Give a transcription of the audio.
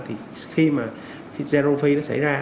thì khi mà zero fee nó xảy ra